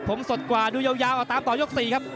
ผมสดกว่าดูยาวเอาตามต่อยก๔ครับ